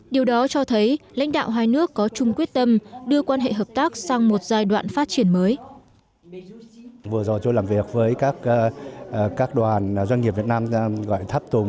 điều đó cho thấy lãnh đạo hai nước có chung quyết tâm đưa quan hệ hợp tác sang một giai đoạn phát triển mới